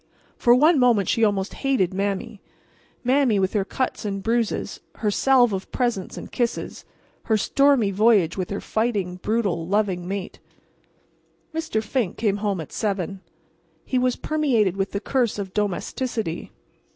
For one moment she almost hated Mame—Mame, with her cuts and bruises, her salve of presents and kisses; her stormy voyage with her fighting, brutal, loving mate. Mr. Fink came home at 7. He was permeated with the curse of domesticity.